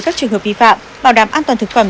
các trường hợp vi phạm bảo đảm an toàn thực phẩm